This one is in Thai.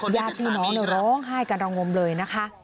ยาติน้องร้องไห้กระดังงมเลยนะคะ